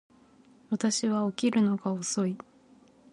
私は起きるのが遅い